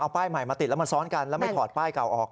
เอาป้ายใหม่มาติดแล้วมาซ้อนกันแล้วไม่ถอดป้ายเก่าออก